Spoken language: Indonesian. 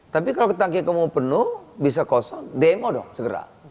tapi kalau tangki kamu penuh bisa kosong demo dong segera